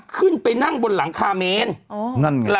ขึ้นไปนั่งบนหลังคาเมน